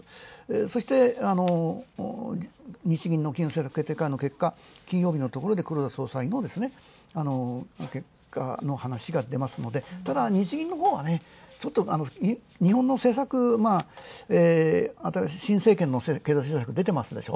そして日銀の金融政策決定会合の結果、金曜日のところで黒田総裁の話が出ますので、ただ日銀のほうは日本の政策、新政権の経済政策出てますでしょ？